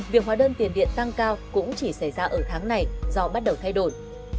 việc hóa đơn tiền điện tăng cao cũng chỉ xảy ra ở tháng này do bắt đầu thay đổi